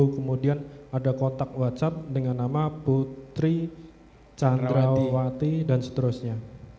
kemudian ada kontak whatsapp dengan nama putri candrawati dan seterusnya